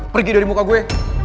pergi dari muka gue